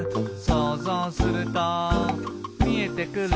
「そうぞうするとみえてくる」